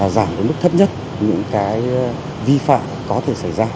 giảm đến mức thấp nhất những cái vi phạm có thể xảy ra